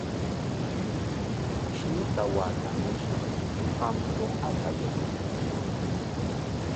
Ashnuta watamushaq, qam uqata yanuykan.